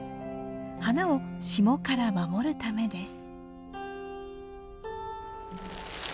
花を霜から守るためです。